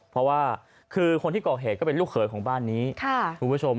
เพราะว่าคือคนที่ก่อเหตุก็เป็นลูกเขยของบ้านนี้คุณผู้ชม